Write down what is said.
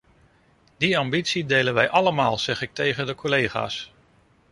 Die ambitie delen we allemaal zeg ik tegen de collega's.